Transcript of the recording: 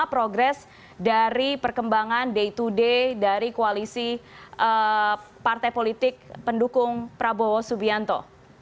progres dari perkembangan day to day dari koalisi partai politik pendukung prabowo subianto